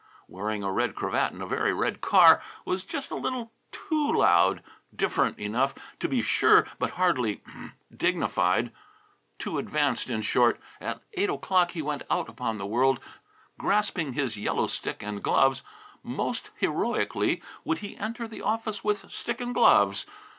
Wearing a red cravat in a very red car was just a little too loud "different" enough, to be sure, but hardly "dignified." Too advanced, in short. At eight o'clock he went out upon the world, grasping his yellow stick and gloves. Most heroically would he enter the office with stick and gloves.